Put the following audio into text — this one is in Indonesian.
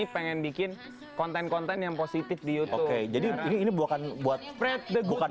pengen bikin konten konten yang positif di youtube jadi ini bukan buat fred the bukan